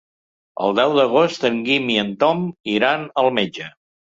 El deu d'agost en Guim i en Tom iran al metge.